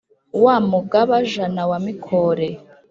wa mugaba-jana wa mikore,